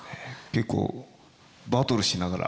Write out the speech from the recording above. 結構バトルしながら。